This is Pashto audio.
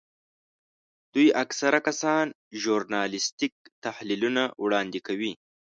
دوی اکثره کسان ژورنالیستیک تحلیلونه وړاندې کوي.